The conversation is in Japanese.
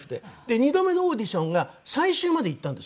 ２度目のオーディションが最終までいったんですよ。